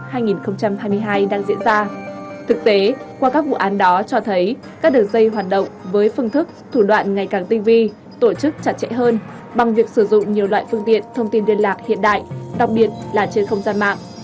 trong thời điểm world cup hai nghìn hai mươi hai đang diễn ra thực tế qua các vụ án đó cho thấy các đường dây hoạt động với phương thức thủ đoạn ngày càng tinh vi tổ chức chặt chẽ hơn bằng việc sử dụng nhiều loại phương tiện thông tin liên lạc hiện đại đồng biệt là trên không gian mạng